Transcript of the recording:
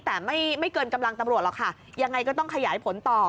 แต่ไม่เกินกำลังตำรวจหรอกค่ะยังไงก็ต้องขยายผลต่อ